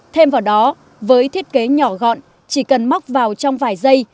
thêm vào đó với thiết kế nhỏ gọn chỉ cần móc vào trong vài giây